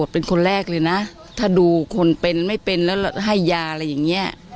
เป็นยังไงบ้าง